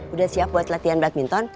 udah siap buat latihan badminton